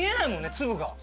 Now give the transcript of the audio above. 粒が。